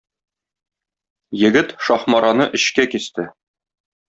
Егет Шаһмараны өчкә кисте.